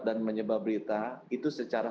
dan menyebar berita itu secara